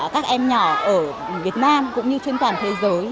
các em nhỏ ở việt nam cũng như trên toàn thế giới